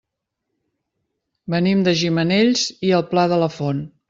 Venim de Gimenells i el Pla de la Font.